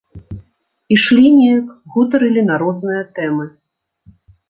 Ішлі неяк, гутарылі на розныя тэмы.